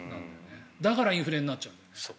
だからインフレになっちゃう。